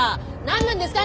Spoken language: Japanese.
何なんですか？